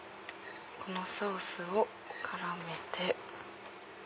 このソースを絡めて。